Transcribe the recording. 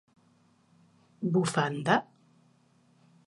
Bufanda?